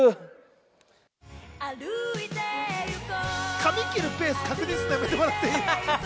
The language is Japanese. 髪切るペースやめてもらっていい？